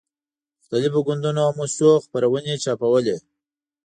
مختلفو ګوندونو او موسسو خپرونې چاپولې.